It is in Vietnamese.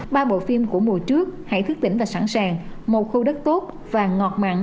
ba bộ phim của mùa trước hãy thức tỉnh và sẵn sàng một khu đất tốt và ngọt mặn